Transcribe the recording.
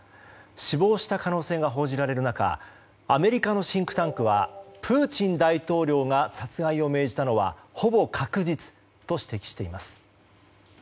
死亡した可能性が報じられる中アメリカのシンクタンクはプーチン大統領が殺害を命じたのはほぼ確実と指摘しています。